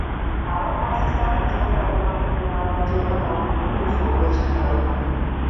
Abakwasisa amateeka balina okukuuma amateeka n'obugunjufu obw'ekitalo.